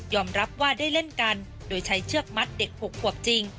รับว่าได้เล่นกันโดยใช้เชือกมัดเด็ก๖ขวบจริง